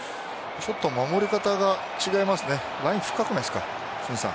ちょっと守り方が違いますね。